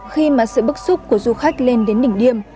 khi mà sự bức xúc của du khách lên đến đỉnh điểm điêm